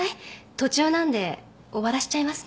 途中なんで終わらしちゃいますね。